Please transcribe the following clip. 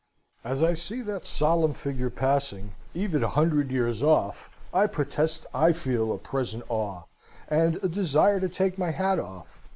As I see that solemn figure passing, even a hundred years off, I protest I feel a present awe, and a desire to take my hat off.